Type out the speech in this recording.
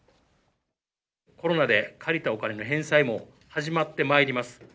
コロナで借りたお金の返済も始まってまいります。